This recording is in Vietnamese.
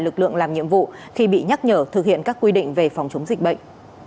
lực lượng làm nhiệm vụ khi bị nhắc nhở thực hiện các quy định về phòng chống dịch bệnh